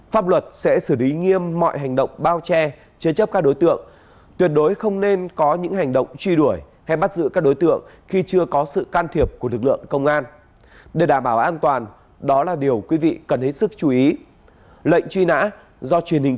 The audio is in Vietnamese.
pháp luật sẽ xử lý nghiêm mọi hành động bao che chế chấp các đối tượng